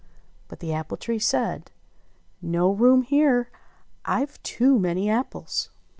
But the apple tree said : "No room here ! I've too many apples."